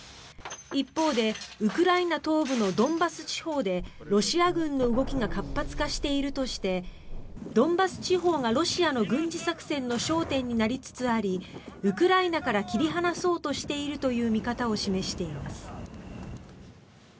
一方で、ウクライナ東部のドンバス地方でロシア軍の動きが活発化しているとしてドンバス地方がロシアの軍事作戦の焦点になりつつありウクライナから切り離そうとしているという見方を示しています。